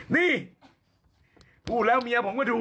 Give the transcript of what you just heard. นี่พูดแล้วเมียผมก็ถูกอยู่